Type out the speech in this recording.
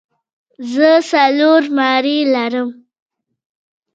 زه څلور مڼې لرم.